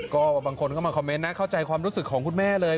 ก็บางคนเข้ามาคอมเมนต์นะเข้าใจความรู้สึกของคุณแม่เลย